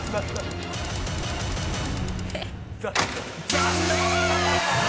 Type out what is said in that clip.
［残念！］